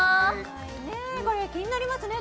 ねっこれ気になりますね